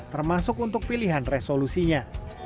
termasuk untuk pilihan resolusinya